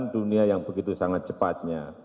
dunia yang begitu sangat cepatnya